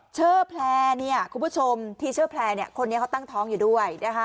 เชอแพลคุณผู้ชมที่เชอแพลคนนี้เค้าตั้งท้องอยู่ด้วย